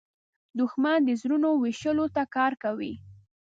دښمن د زړونو ویشلو ته کار کوي